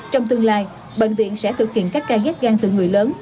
trong tương lai bệnh viện sẽ thực hiện các ca ghép gan từ người lớn